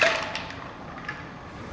kita juga jualan minuman